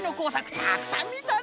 たくさんみたの！